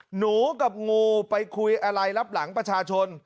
หนูกับงูไปคุยอะไรรับหลังประชาชน